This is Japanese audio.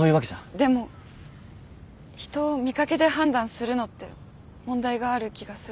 でも人を見掛けで判断するのって問題がある気がする。